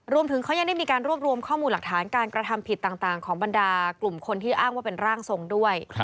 รวมถึงเขายังได้มีการรวบรวมข้อมูลหลักฐานการกระทำผิดต่างของบรรดากลุ่มคนที่อ้างว่าเป็นร่างทรงด้วย